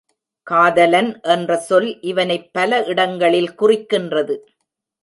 காதலன் என்ற சொல் இவனைப் பல இடங்களில் குறிக்கின்றது.